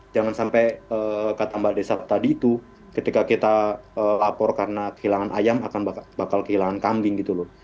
jangan sampai kata mbak desa tadi itu ketika kita lapor karena kehilangan ayam akan bakal kehilangan kambing gitu loh